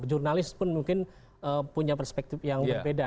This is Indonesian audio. jurnalis pun mungkin punya perspektif yang berbeda